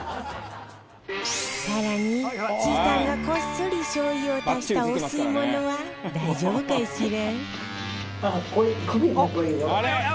更にちーたんがこっそりしょう油を足したお吸い物は大丈夫かしら？